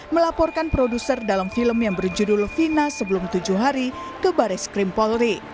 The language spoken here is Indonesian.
melaporkan produser dalam film yang berjudul fina sebelum tujuh hari ke baris krim polri